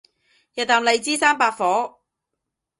日啖荔枝三百顆